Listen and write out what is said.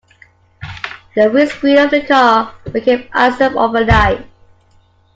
The windscreen of the car became iced up overnight.